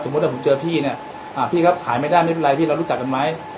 ถ้าผมเจอพี่เนี่ยพี่ครับขายไม่ได้ไม่เป็นไรพี่เรารู้จักกันไหม